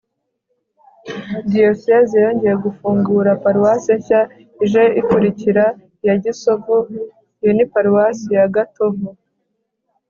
diyosezi yongeye gufungura paruwasi nshya ije ikurikira iya gisovu. iyo ni paruwasi ya gatovu